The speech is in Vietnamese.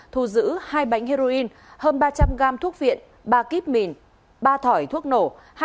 thu giữ hai bánh heroin hơn ba trăm linh gam thuốc viện ba kíp mìn ba thỏi thuốc nổ